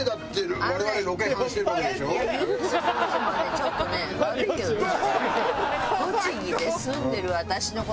ちょっとね悪いけどな。